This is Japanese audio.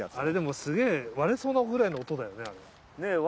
れでもすげえ割れそうなぐらいな音だよね。